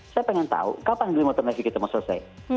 saya pengen tahu kapan green water navy kita mau selesai